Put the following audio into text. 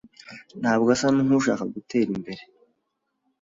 Ntabwo asa nkushaka gutera imbere.